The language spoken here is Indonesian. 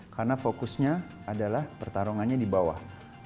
karena fokusnya adalah pertarungannya di bawah